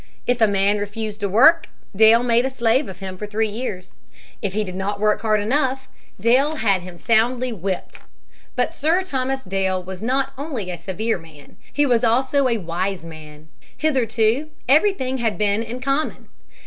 If a man refused to work, Dale made a slave of him for three years; if he did not work hard enough, Dale had him soundly whipped. But Sir Thomas Dale was not only a severe man; he was also a wise man. Hitherto everything had been in common.